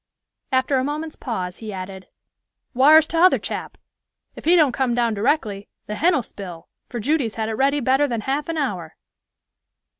After a moment's pause, he added, "Whar's t'other chap? If he don't come down directly, the hen'll spile, for Judy's had it ready better than half an hour."